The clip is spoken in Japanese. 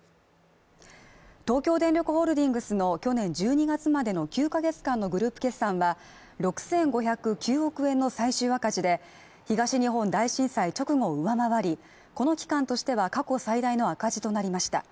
東京電力ホールディングスの去年１２月までの９か月間のグループ決算は６５０９億円の最終赤字で東日本大震災直後を上回りこの期間としては過去最大の赤字となりました。